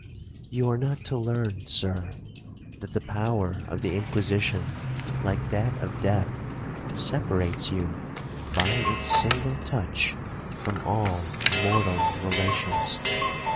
'You are not to learn, Sir, that the power of the Inquisition, like that of death, separates you, by its single touch, from all mortal relations.